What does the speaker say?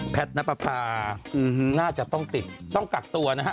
นับประพาน่าจะต้องติดต้องกักตัวนะฮะ